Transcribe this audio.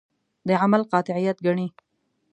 د عمل قاطعیت ګڼي.